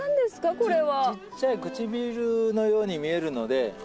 これは。